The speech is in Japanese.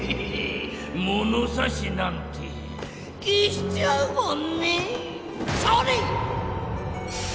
ものさしなんてけしちゃうもんねそれ！